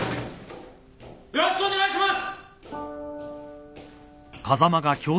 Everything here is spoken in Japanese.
よろしくお願いします。